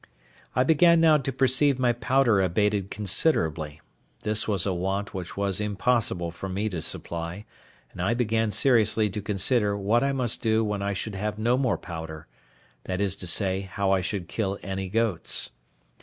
I began now to perceive my powder abated considerably; this was a want which it was impossible for me to supply, and I began seriously to consider what I must do when I should have no more powder; that is to say, how I should kill any goats.